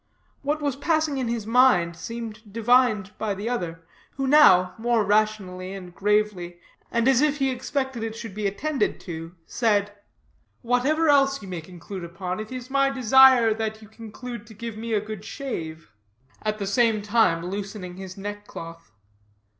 What was passing in his mind seemed divined by the other, who now, more rationally and gravely, and as if he expected it should be attended to, said: "Whatever else you may conclude upon, it is my desire that you conclude to give me a good shave," at the same time loosening his neck cloth.